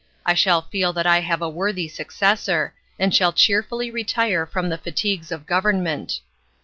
I shall feel that I have a worthy successor, and shall cheerfully retire from the fatigues of government."